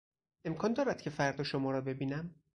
امکان دارد که فردا شما را ببینم؟